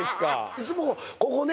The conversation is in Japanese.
いつもここね